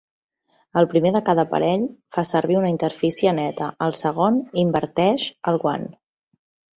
El primer de cada parell fa servir una interfície neta, el segon inverteix el guant.